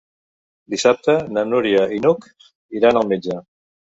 Dissabte na Núria i n'Hug iran al metge.